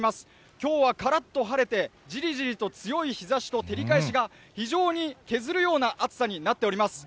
きょうはからっと晴れて、じりじりと強い日ざしと照り返しが、非常にような暑さになっております。